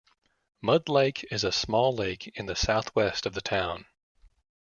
Mud Lake is a smaller lake in the southwest of the town.